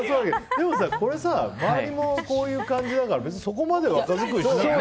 でも、周りもこういう感じだから別にそこまで若作りしなくても。